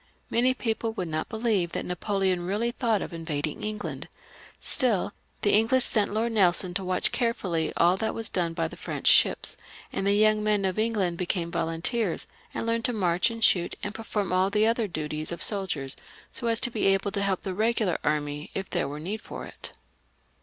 Many people would not believe that Napoleon really thought of invading England ; still, the English sent Lord Nelson to watch carefully over all that was done by the French ships, and the young men of England became volunteers, and learned to march and shoot and perform all the duties of soldiers, so as to be able to help the regu lar army if there was need for it.